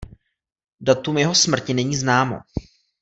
Datum jeho smrti není známo.